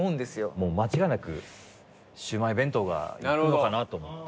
もう間違いなくシウマイ弁当がいくのかなと思って。